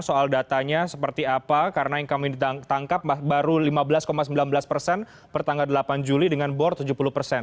soal datanya seperti apa karena yang kami ditangkap baru lima belas sembilan belas persen pertanggal delapan juli dengan bor tujuh puluh persen